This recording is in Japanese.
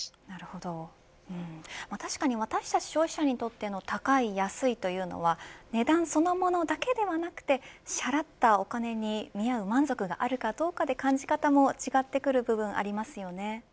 確かに私たち消費者にとっての高い、安いは値段そのものだけではなく支払ったお金に見合う満足があるかどうかで感じ方も違ってくる部分ありますよね。